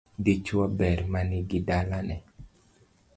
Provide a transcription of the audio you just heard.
Dichuo ber manigi dalane